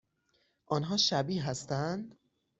آنها شبیه هستند؟